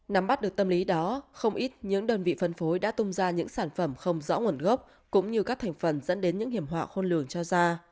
nắm bắt được tâm lý đó không ít những đơn vị phân phối đã tung ra những sản phẩm không rõ nguồn gốc cũng như các thành phần dẫn đến những hiểm họa khôn lường cho da